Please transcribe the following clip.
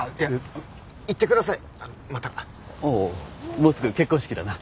もうすぐ結婚式だな。